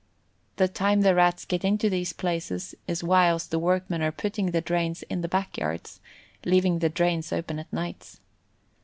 The time the Rats get into these places is whilst the workmen are putting the drains in the back yards, leaving the drains open at nights.